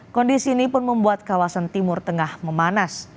kondisi ini pun membuat kawasan timur tengah memanas